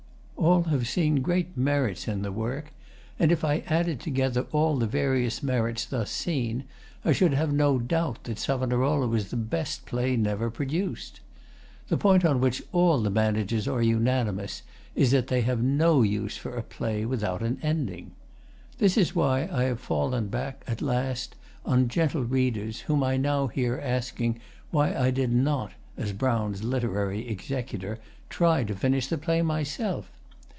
All have seen great merits in the work; and if I added together all the various merits thus seen I should have no doubt that 'Savonarola' was the best play never produced. The point on which all the managers are unanimous is that they have no use for a play without an ending. This is why I have fallen back, at last, on gentle readers, whom now I hear asking why I did not, as Brown's literary executor, try to finish the play myself.